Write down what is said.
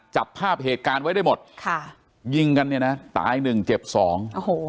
จับภาพเหตุการณ์ไว้ได้หมดค่ะยิงกันเนี่ยนะตายหนึ่งเจ็บสองโอ้โห